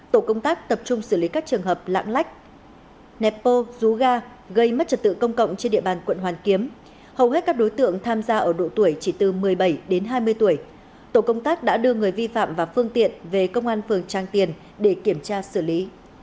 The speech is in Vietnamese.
tổ công tác tập trung xử lý các trường hợp lãng lách nẹp bô rú ga gây mất trật tự công cộng trên địa bàn quận hoàn kiếm hầu hết các đối tượng tham gia ở độ tuổi chỉ từ một mươi bảy đến hai mươi tuổi tổ công tác đã đưa người vi phạm và phương tiện về công an phường trang tiền để kiểm tra xử lý